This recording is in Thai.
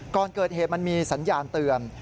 ก่อนเกิดเหตุมันมีสัญญาณเตือน